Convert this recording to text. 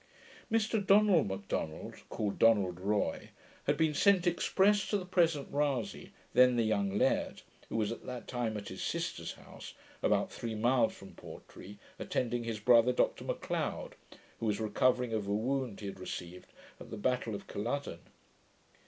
Mr Donald M'Donald, called Donald Roy, had been sent express to the present Rasay, then the young laird, who was at that time at his sister's house, about three miles from Portree, attending his brother, Dr Macleod, who was recovering of a wound he had received at the battle of Culloden.